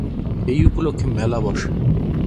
এই উপলক্ষে মেলা বসে।